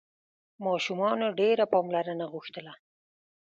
ماشومانو ډېره پاملرنه غوښتله.